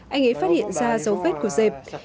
anh ấy phát hiện ra dấu vết của dẹp